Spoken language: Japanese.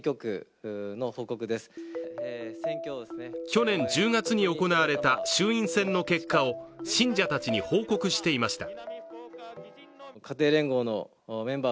去年１０月に行われた衆院選の結果を信者たちに報告していました。